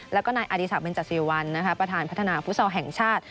แล้วก็นายอดีศักดิเบนจสิริวัลประธานพัฒนาฟุตซอลแห่งชาติ